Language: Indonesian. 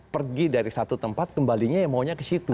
pergi dari satu tempat kembalinya yang maunya ke situ